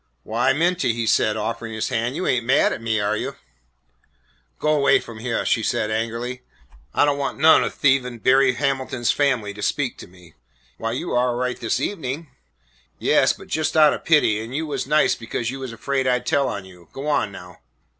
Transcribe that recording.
"Why, Minty," he said, offering his hand, "you ain't mad at me, are you?" "Go on away f'om hyeah," she said angrily; "I don't want none o' thievin' Berry Hamilton's fambly to speak to me." "Why, you were all right this evening." "Yes, but jest out o' pity, an' you was nice 'cause you was afraid I 'd tell on you. Go on now."